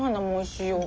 おいしい。